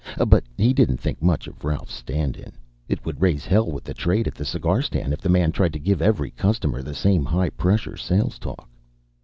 But he didn't think much of Ralph's stand in; it would raise hell with the trade at the cigar stand if the man tried to give every customer the same high pressure sales talk.